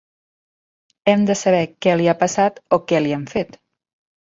Hem de saber què li ha passat, o què li han fet.